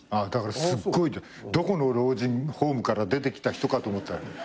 だからすっごいどこの老人ホームから出てきた人かと思ったよ。